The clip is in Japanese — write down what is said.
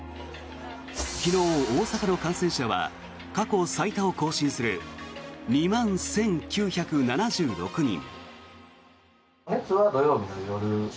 昨日、大阪の感染者は過去最多を更新する２万１９７６人。